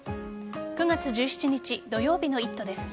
９月１７日土曜日の「イット！」です。